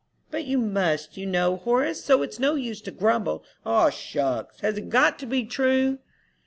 "But you must, you know, Horace; so it's no use to grumble." "O shucks! Has it got to be true?"